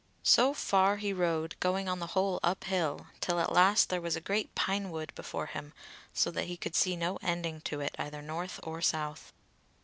So far he rode, going on the whole up hill, till at last there was a great pine wood before him, so that he could see no ending to it either north or south.